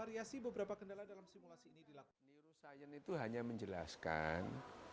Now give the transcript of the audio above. neurosains itu hanya menjelaskan